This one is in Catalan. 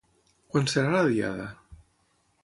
Quan serà la Diada?